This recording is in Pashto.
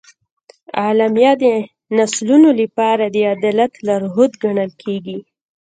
اعلامیه د نسلونو لپاره د عدالت لارښود ګڼل کېږي.